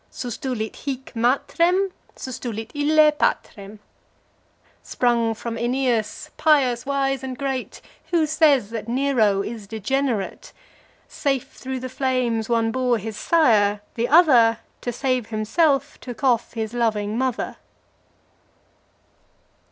Sustulit hic matrem: sustulit ille patrem. Sprung from Aeneas, pious, wise and great, Who says that Nero is degenerate? Safe through the flames, one bore his sire; the other, To save himself, took off his loving mother.